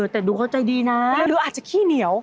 แต่ดูเขาใจดีนะหรืออาจจะขี้เหนียว